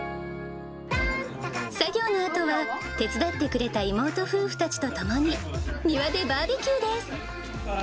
作業のあとは、手伝ってくれた妹夫婦たちと共に、庭でバーベキューです。